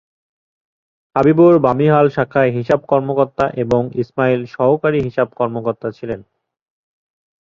হাবিবুর বামিহাল শাখায় হিসাব কর্মকর্তা এবং ইসমাইল সহকারী হিসাব কর্মকর্তা ছিলেন।